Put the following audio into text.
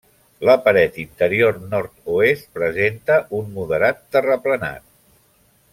La paret interior nord-oest presenta un moderat terraplenat.